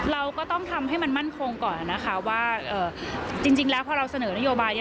เราก็ต้องทำให้มันมั่นคงก่อนนะคะว่าจริงแล้วพอเราเสนอนโยบายนี้